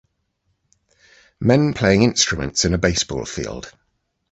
Men playing instruments in a baseball field.